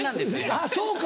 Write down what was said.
あっそうか。